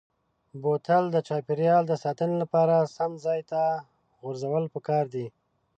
بوتل د چاپیریال د ساتنې لپاره سم ځای ته غورځول پکار دي.